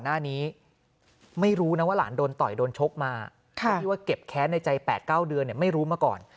หน้านี้ไม่รู้นะว่าหลานโดนต่อยโดนชกมาที่ว่าเก็บแค้นในใจ๘๙เดือนไม่รู้มาก่อน